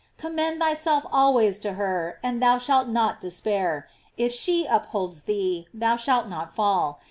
Commend thyself always to her, and thou shalt not despair. If she upholds thee, thou shalt not fall.